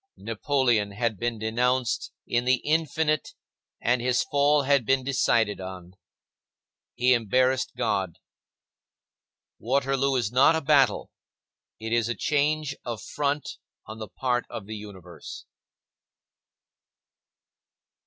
Napoleon had been denounced in the infinite and his fall had been decided on. He embarrassed God. Waterloo is not a battle; it is a change of front on the part of the Universe.